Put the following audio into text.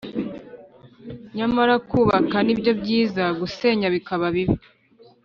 nyamara kubaka ni byo byiza gusenya bikaba bibi